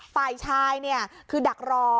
ฝ่ายชายคือดักรอ